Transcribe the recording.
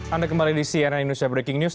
anda kembali di cnn indonesia breaking news